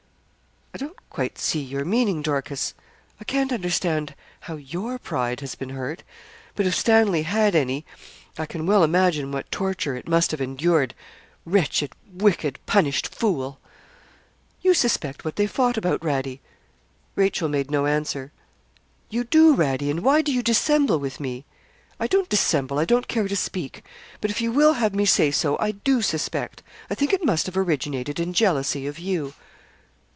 'I don't quite see your meaning, Dorcas. I can't understand how your pride has been hurt; but if Stanley had any, I can well imagine what torture it must have endured; wretched, wicked, punished fool!' 'You suspect what they fought about, Radie!' Rachel made no answer. 'You do, Radie, and why do you dissemble with me?' 'I don't dissemble; I don't care to speak; but if you will have me say so, I do suspect I think it must have originated in jealousy of you.'